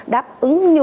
đáp ứng như